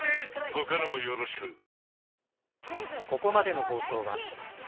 他のもよろしく何？